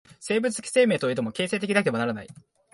生物的生命といえども、形成的でなければならない。